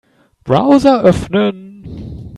Browser öffnen.